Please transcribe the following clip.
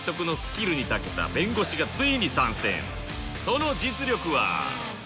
その実力は？